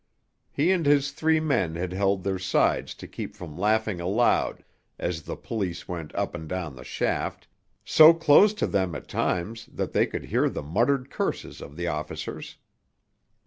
He and his three men had held their sides to keep from laughing aloud as the police went up and down the shaft, so close to them at times that they could hear the muttered curses of the officers.